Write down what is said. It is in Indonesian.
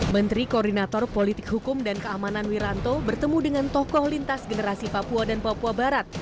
menteri koordinator politik hukum dan keamanan wiranto bertemu dengan tokoh lintas generasi papua dan papua barat